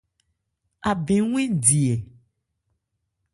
Abɛn 'wɛn di ɛ ?